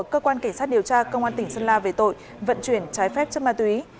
cơ quan cảnh sát điều tra công an tỉnh sơn la về tội vận chuyển trái phép chất ma túy